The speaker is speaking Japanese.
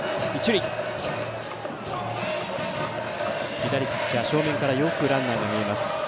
左ピッチャー、正面からよくランナーが見えます。